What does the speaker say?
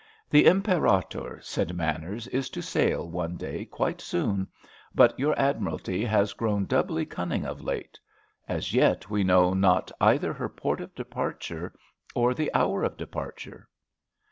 "The Imperator," said Manners, "is to sail one day quite soon, but your Admiralty has grown doubly cunning of late. As yet we know not either her port of departure or the hour of departure!"